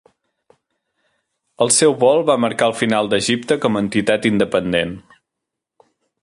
El seu vol va marcar el final d'Egipte com a entitat independent.